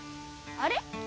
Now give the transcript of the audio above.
あれ？